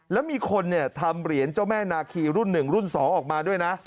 แล้วมีคนทำเหรียญเจ้าแม่นาคีรุ่น๑รุ่น๒ออกมาด้วยนะ